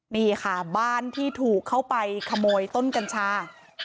นี่ค่ะบ้านที่ถูกเข้าไปขโมยต้นกัญชา